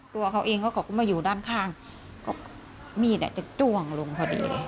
ตัวเขาเองเขาก็มาอยู่ด้านข้างมีดจะจ้วงลงพอดี